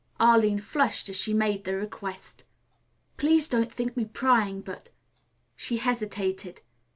Arline flushed as she made the request. "Please don't think me prying, but " She hesitated.